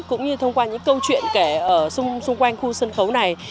cũng như thông qua những câu chuyện kể ở xung quanh khu sân khấu này